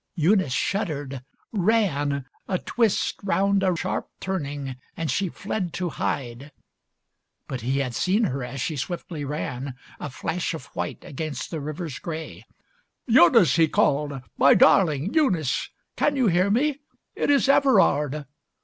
Eunice shuddered, ran a twist Round a sharp turning and she fled to hide. XLVI But he had seen her as she swiftly ran, A flash of white against the river's grey. "Eunice," he called. "My Darling. Eunice. Can You hear me? It is Everard.